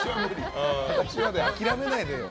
諦めないでよ。